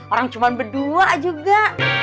orang cuma berdua juga